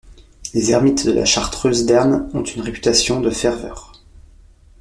Les ermites de la chartreuse d’Herne ont une réputation de ferveur.